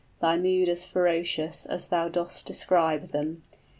} Thy mood as ferocious as thou dost describe them.